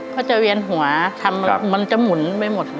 ก็จะเวียนหัวมันจะหมุนไปหมด